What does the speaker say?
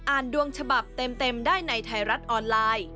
ดวงฉบับเต็มได้ในไทยรัฐออนไลน์